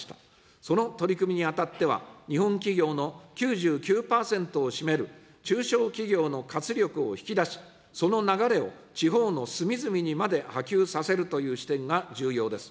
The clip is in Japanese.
その取り組みにあたっては、日本企業の９９％を占める中小企業の活力を引き出し、その流れを地方の隅々にまで波及させるという視点が重要です。